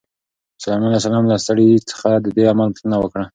سلیمان علیه السلام له سړي څخه د دې عمل پوښتنه وکړه.